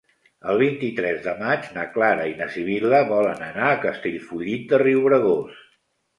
El vint-i-tres de maig na Clara i na Sibil·la volen anar a Castellfollit de Riubregós.